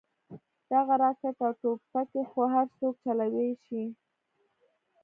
دغه راكټ او ټوپكې خو هرسوك چلوې شي.